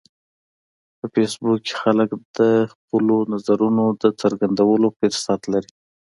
په فېسبوک کې خلک د خپلو نظرونو د څرګندولو فرصت لري